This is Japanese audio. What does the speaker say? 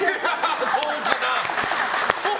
そうかな？